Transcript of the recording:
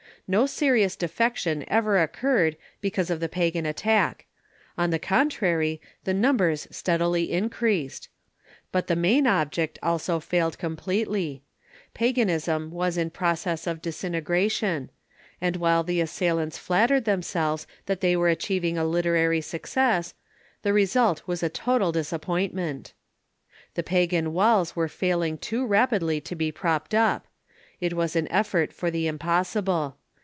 No serious defection ever oc curred because of the pagan attack. On the contrary, the numbers steadily increased. But the main object also failed completely. Paganism was in process of disintegration ; and while the assailants flattered themselves that they were achiev ing a literary success, the result was a total disappointment. THE CHUISTIAIS' DEFENDERS 33 The pagan walls were falling too rapidly to be propped up. It was an eifort for the impossible.